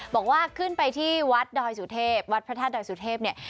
บอกว่าขึ้นไปที่วัดดอยสุเทพวัดพระธาตุดอยสุเทพเนี่ย